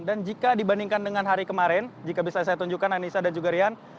dan jika dibandingkan dengan hari kemarin jika bisa saya tunjukkan anissa dan juga irian